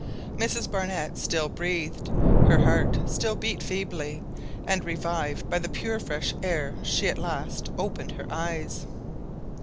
Mrs Barnett still breathed, her heart still beat feebly, and revived by the pure fresh air she at last opened her eyes.